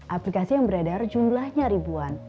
aplikasi yang beredar jumlahnya ribuan